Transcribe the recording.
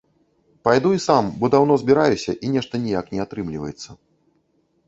Пайду і сам, бо даўно збіраюся і нешта ніяк не атрымліваецца.